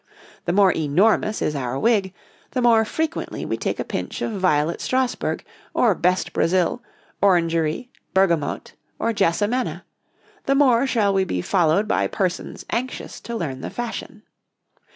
The more enormous is our wig, the more frequently we take a pinch of Violet Strasburg or Best Brazil, Orangery, Bergamotte, or Jassamena, the more shall we be followed by persons anxious to learn the fashion.